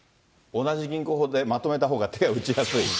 同じ銀行でまとめたほうが手を打ちやすい。